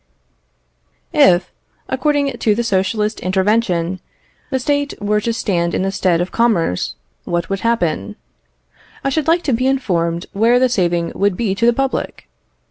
If, according to the Socialist invention, the State were to stand in the stead of commerce, what would happen? I should like to be informed where the saving would be to the public?